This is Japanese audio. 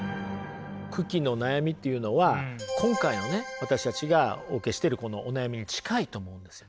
九鬼の悩みっていうのは今回のね私たちがお受けしてるこのお悩みに近いと思うんですよね。